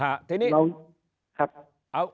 เราทำหลายเรื่อง